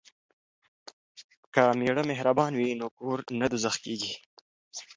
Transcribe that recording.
که میړه مهربان وي نو کور نه دوزخ کیږي.